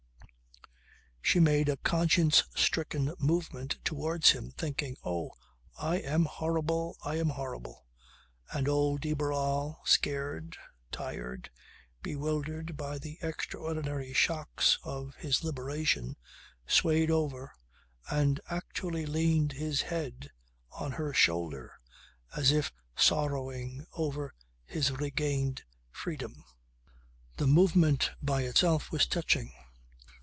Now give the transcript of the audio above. She made a conscience stricken movement towards him thinking: "Oh! I am horrible, I am horrible." And old de Barral, scared, tired, bewildered by the extraordinary shocks of his liberation, swayed over and actually leaned his head on her shoulder, as if sorrowing over his regained freedom. The movement by itself was touching.